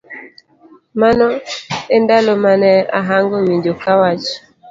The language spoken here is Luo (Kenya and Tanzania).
Mano e ndalo ma ne ahango winjo ka wach